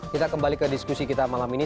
kita kembali ke diskusi kita malam ini